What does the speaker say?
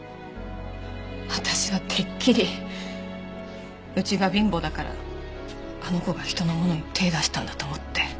私はてっきりうちが貧乏だからあの子が人のものに手ぇ出したんだと思って。